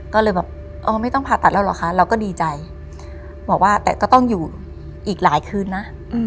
ก็เลยแบบอ๋อไม่ต้องผ่าตัดแล้วเหรอคะเราก็ดีใจบอกว่าแต่ก็ต้องอยู่อีกหลายคืนนะ